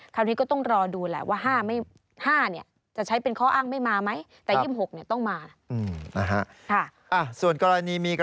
คราวนี้ก็ต้องรอดูแหละว่า๕นี่จะใช้เป็นข้ออ้างไม่มาไหม